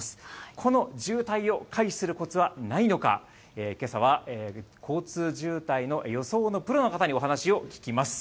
この渋滞を回避するコツはないのか、けさは、交通渋滞の予想のプロの方にお話を聞きます。